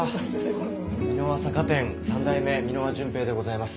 美濃輪酒店３代目美濃輪潤平でございます。